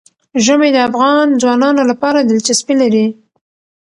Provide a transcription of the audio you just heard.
ژمی د افغان ځوانانو لپاره دلچسپي لري.